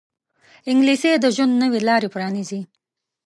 انګلیسي د ژوند نوې لارې پرانیزي